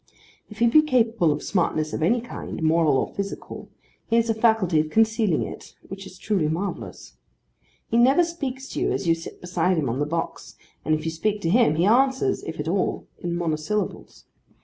If he be capable of smartness of any kind, moral or physical, he has a faculty of concealing it which is truly marvellous. He never speaks to you as you sit beside him on the box, and if you speak to him, he answers (if at all) in monosyllables.